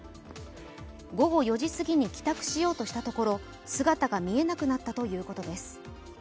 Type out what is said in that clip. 午後４時すぎに帰宅しようとしたところ姿が見えなくなったということです。